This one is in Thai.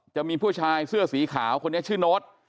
จะมีผู้ชายเสื้อสีขาวคนนี้ชื่อโน๊ต